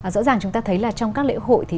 rõ ràng chúng ta thấy là trong các lễ hội